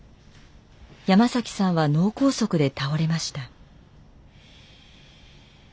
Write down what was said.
山さんは脳梗塞で倒れました。